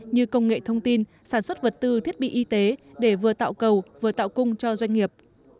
như công nghệ thông tin sản xuất vật tư thiết bị y tế để vừa tạo cầu vừa tạo cung cho doanh nghiệp